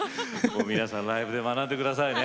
皆さんライブで学んで下さいね。